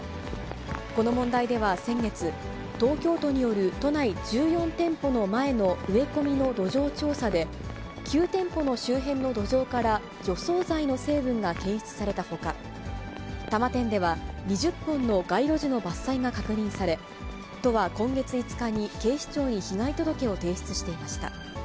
この問題では先月、東京都による都内１４店舗の前の植え込みの土壌調査で、９店舗の周辺の路上から除草剤の成分が検出されたほか、多摩店では２０本の街路樹の伐採が確認され、都は今月５日に警視庁に被害届を提出していました。